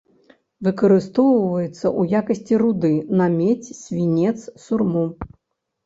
Выкарыстоўваецца ў якасці руды на медзь, свінец, сурму.